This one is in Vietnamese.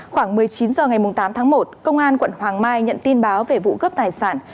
khoảng một mươi chín h ngày tám tháng một công an quận hoàng mai nhận tin báo về vụ cướp tài sản